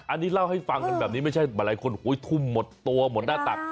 อันนี้เล่าให้ฟังกันแบบนี้ไม่ใช่หลายคนทุ่มหมดตัวหมดหน้าตัก